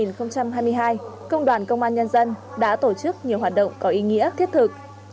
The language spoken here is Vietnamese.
năm hai nghìn hai mươi hai công đoàn công an nhân dân đã tổ chức nhiều hoạt động có ý nghĩa thiết thực